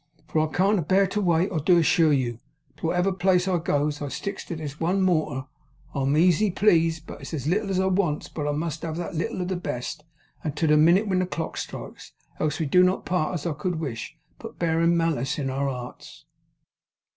'For I can't abear to wait, I do assure you. To wotever place I goes, I sticks to this one mortar, "I'm easy pleased; it is but little as I wants; but I must have that little of the best, and to the minute when the clock strikes, else we do not part as I could wish, but bearin' malice in our arts."